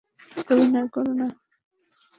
অভিনয় করো না।